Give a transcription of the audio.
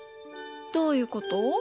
どういうこと？